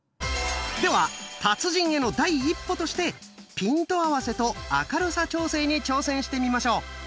では達人への第一歩としてピント合わせと明るさ調整に挑戦してみましょう。